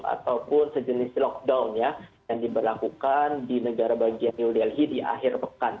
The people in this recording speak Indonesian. ataupun sejenis lockdown ya yang diberlakukan di negara bagian new delhi di akhir pekan